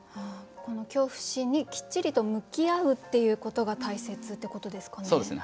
この恐怖心にきっちりと向き合うっていうことが大切ってことですかね。